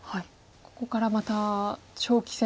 ここからまた長期戦。